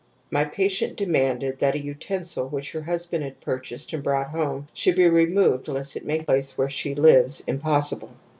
My patient demanded that a utensil which her husband had purchased and brought home should be removed lest it make the place where she lives impossible.